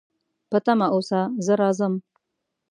په تمه اوسه، زه راځم